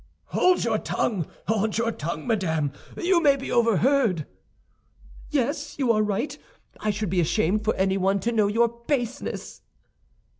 "Hold your tongue, hold your tongue, madame! You may be overheard." "Yes, you are right; I should be ashamed for anyone to know your baseness."